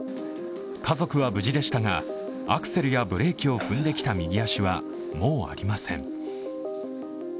家族は無事でしたが、アクセルやブレーキを踏んできた右足は、もうありません。